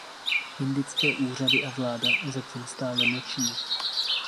Indické úřady a vláda zatím stále mlčí.